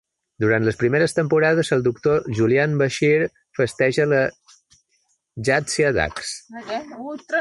Durant les primeres temporades, el Doctor Julian Bashir festeja la Jadzia Dax.